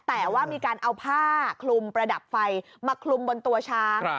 แต่ว่ามีการเอาผ้าคลุมประดับไฟมาคลุมบนตัวช้าง